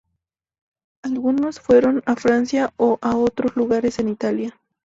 Algunos fueron a Francia o a otros lugares en Italia.